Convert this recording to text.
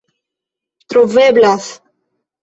troveblas